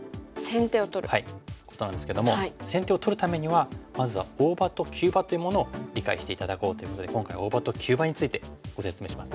はいことなんですけども先手を取るためにはまずは大場と急場というものを理解して頂こうということで今回は大場と急場についてご説明しますね。